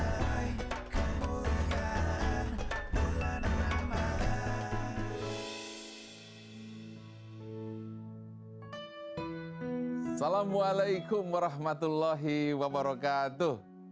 assalamualaikum warahmatullahi wabarakatuh